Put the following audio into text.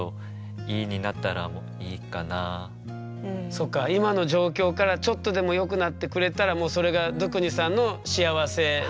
そっか今の状況からちょっとでもよくなってくれたらもうそれがドゥクニさんの幸せだし。